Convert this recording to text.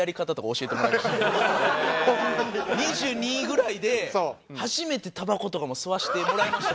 ２２ぐらいで初めてタバコとかも吸わせてもらいました。